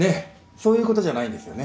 そういうことじゃないんですよね？